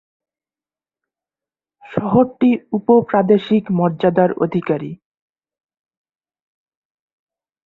শহরটি উপ-প্রাদেশিক মর্যাদার অধিকারী।